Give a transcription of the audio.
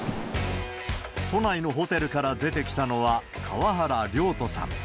都内のホテルから出てきたのは、河原遼人さん。